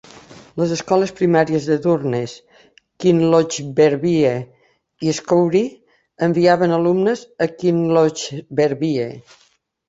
Les escoles primàries de Durness, Kinlochbervie i Scourie enviaven alumnes a Kinlochbervie.